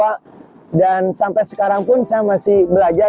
dan sampai sekarang pun saya masih belajar